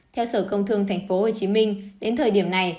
theo sở công thương tp hcm đến thời điểm này